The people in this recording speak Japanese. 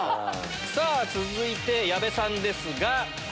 さぁ続いて矢部さんですが。